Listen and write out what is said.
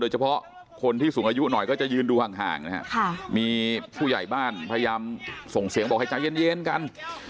เฉพาะคนที่สูงอายุหน่อยก็จะยืนดูห่างนะครับมีผู้ใหญ่บ้านพยายามส่งเสียงบอกให้ใจเย็นกัน